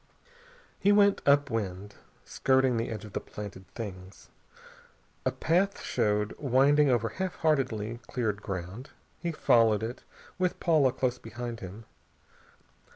He went upwind, skirting the edge of the planted things. A path showed, winding over half heartedly cleared ground. He followed it, with Paula close behind him.